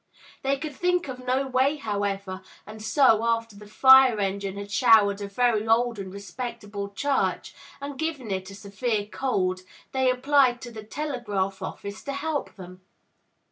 They could think of no way, however, and so, after the fire engine had showered a very old and respect able church, and given it a severe cold, they applied to the tele graph office to help them.